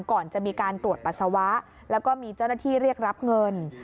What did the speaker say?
ก่อนจะมีการตรวจปัสสาวะแล้วก็มีเจ้าหน้าที่เรียกรับเงิน